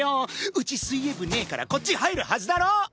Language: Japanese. うち水泳部ねえからこっち入るはずだろ？